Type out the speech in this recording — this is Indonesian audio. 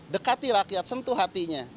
dekati rakyat sentuh hatinya